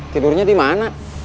tidurnya di mana